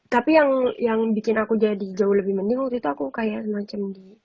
tapi yang bikin aku jadi jauh lebih mending waktu itu aku kayak semacam di